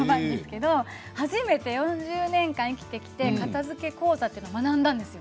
初めて４０年間生きてきて片づけ講座というのを学んだんですよ。